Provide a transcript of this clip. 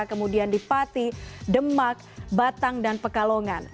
kemudian di pati demak batang dan pekalongan